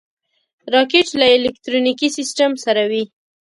راکټ له الکترونیکي سیسټم سره وي